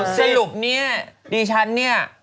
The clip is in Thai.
สรุปเนี้ยนี่ฉันเนี้ย